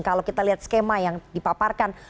kalau kita lihat skema yang dipaparkan